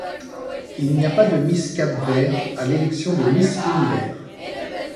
Il n'y a pas de Miss Cap-Vert à l'élection de Miss Univers.